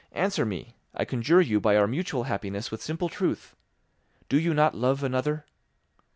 Answer me, I conjure you by our mutual happiness, with simple truth—Do you not love another?